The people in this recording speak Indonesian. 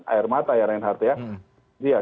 air mata ya rain heart ya